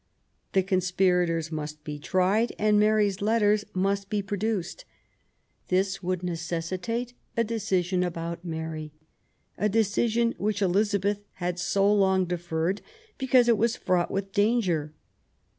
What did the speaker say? The conspirators must be tried, and Mary's letters must be produced. This would necessitate a decision about Mary — a decision which Elizabeth had so long deferred, because it 15 226 QUBEI^ ELIZABETH. was fraught with danger.